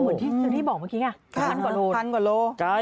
เหมือนที่บอกเมื่อกี้คันกว่าโล